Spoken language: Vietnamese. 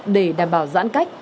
để đảm bảo giãn cách